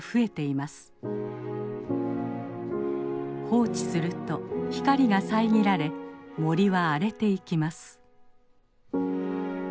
放置すると光が遮られ森は荒れていきます。